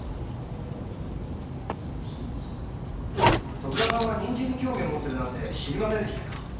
徳田さんが人参に興味をもってるとは知りませんでした。